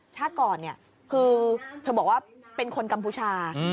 ชาติก่อนเนี่ยคือเธอบอกว่าเป็นคนกัมพูชา